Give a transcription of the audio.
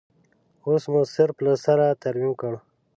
اوس مو صرف له سره ترمیم کړ.